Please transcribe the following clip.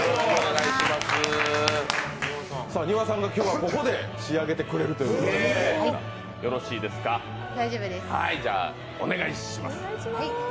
丹羽さんが今日はここで仕上げてくれるということで、よろしいですか、じゃあお願いします。